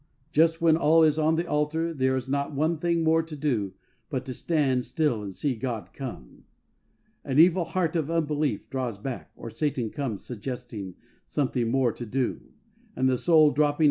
Just when all is on the altar and there is not one thing more to do but to stand still and see God come, "an evil heart of unbelief" draws back, or Satan comes suggesting something more to do, and the soul, dropping 92 HEART TALKS ON HOLINESS.